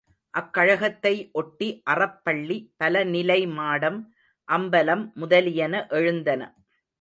அக்கழகத்தை ஒட்டி அறப் பள்ளி, பல நிலை மாடம், அம்பலம் முதலியன எழுந்தன.